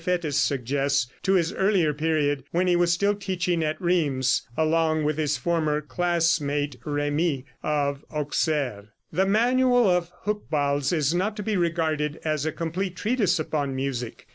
Fétis suggests, to his earlier period, when he was still teaching at Rheims, along with his former classmate, Rémi, of Auxerre. The manual of Hucbald is not to be regarded as a complete treatise upon music.